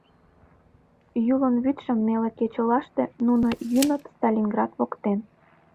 Юлын вӱдшым неле кечылаште Нуно йӱныт Сталинград воктен.